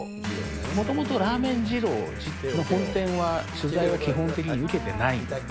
もともとラーメン二郎の本店は取材は基本的に受けてないんですね。